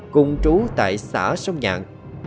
cùng trú tại xã sông nhạn